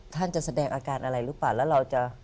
ท่านจะแสดงอาการอะไรหรือเปล่าแล้วเราจะ